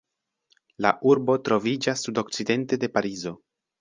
La urbo troviĝas sudokcidente de Parizo.